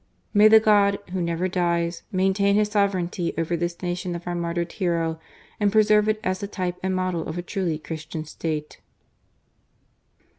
May the God Who never dies " maintain His sovereignty over this nation of our martyred hero, and preserve it as the type and model of a truly Christian State.